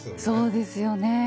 そうですよね。